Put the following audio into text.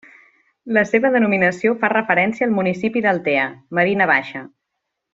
La seva denominació fa referència al municipi d'Altea, Marina Baixa.